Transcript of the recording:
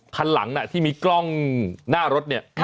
คันหลังที่มีกล้องหน้ารถเนี่ย